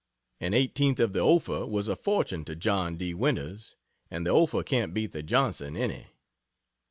An eighteenth of the Ophir was a fortune to John D. Winters and the Ophir can't beat the Johnson any.....